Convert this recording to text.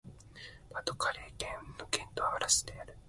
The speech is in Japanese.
パ＝ド＝カレー県の県都はアラスである